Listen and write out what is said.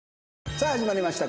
さあ始まりました